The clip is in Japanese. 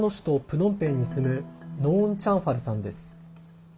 プノンペンに住むノーン・チャンファルさんです。